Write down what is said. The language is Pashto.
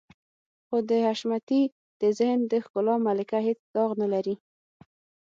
خو د حشمتي د ذهن د ښکلا ملکه هېڅ داغ نه لري.